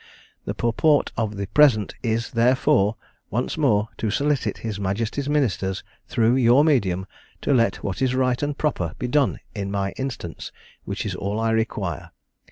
The purport of the present is, therefore, once more to solicit his majesty's ministers, through your medium, to let what is right and proper be done in my instance, which is all I require.